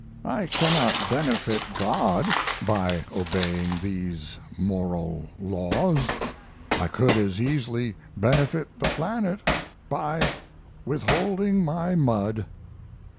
I cannot benefit God by obeying these moral laws I could as easily benefit the planet by withholding my mud.